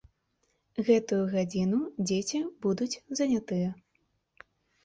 Гэтую гадзіну дзеці будуць занятыя.